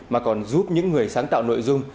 mà còn giúp những người sáng tạo nội dung